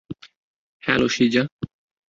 Hello, Sheeja.